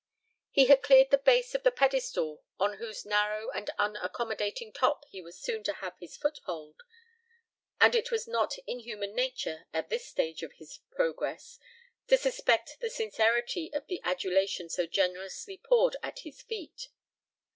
He had cleared the base of the pedestal on whose narrow and unaccommodating top he was soon to have his foothold, and it was not in human nature, at this stage of his progress, to suspect the sincerity of the adulation so generously poured at his feet.